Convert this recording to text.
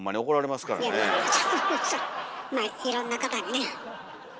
まあいろんな方にね。